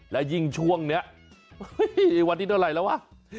และยิ่งช่วงนี้วันที่เท่าไหร่แล้ววะ